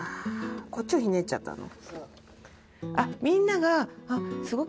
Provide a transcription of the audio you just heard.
こっちをひねっちゃったの？